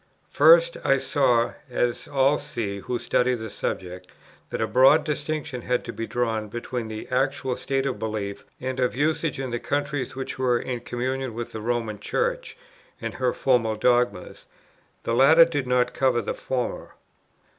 First I saw, as all see who study the subject, that a broad distinction had to be drawn between the actual state of belief and of usage in the countries which were in communion with the Roman Church, and her formal dogmas; the latter did not cover the former.